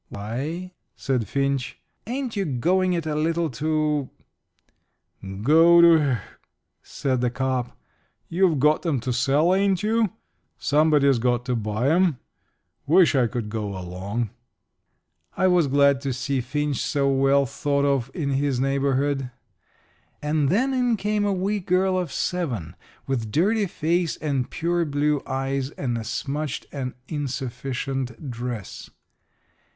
"Why," said Finch, "ain't you going it a little too " "Go to h !" said the cop. "You got 'em to sell, ain't you? Somebody's got to buy 'em. Wish I could go along." I was glad to See Finch so well thought of in his neighborhood. And then in came a wee girl of seven, with dirty face and pure blue eyes and a smutched and insufficient dress.